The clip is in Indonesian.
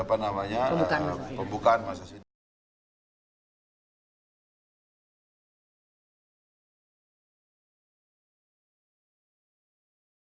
atau pembukaan masa sidang